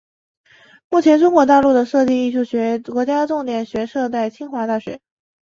目前中国大陆的设计艺术学国家重点学科设在清华大学。